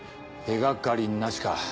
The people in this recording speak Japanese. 手掛かりなしか。